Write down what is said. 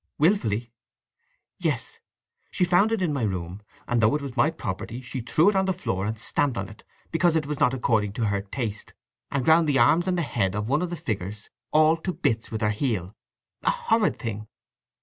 Wilfully?" "Yes. She found it in my room, and though it was my property she threw it on the floor and stamped on it, because it was not according to her taste, and ground the arms and the head of one of the figures all to bits with her heel—a horrid thing!"